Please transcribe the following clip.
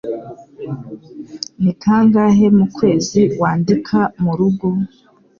Ni kangahe mu kwezi wandika murugo?